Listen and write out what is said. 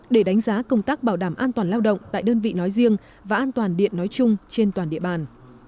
để đánh giá công tác bảo đảm an toàn lao động tại đơn vị nói riêng và an toàn điện nói chung trên toàn địa bàn